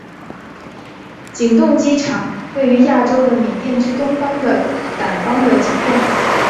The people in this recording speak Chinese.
景栋机场位于亚洲的缅甸之东方的掸邦的景栋。